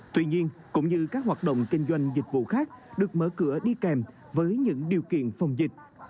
tuy nhiên cũng như các hoạt động kinh doanh dịch vụ khác được mở cửa đi kèm với những điều kiện phòng dịch